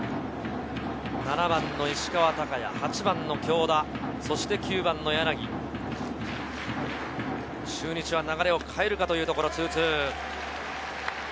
７番の石川昂弥、８番・京田、そして９番の柳、中日は流れを変えるかというところ。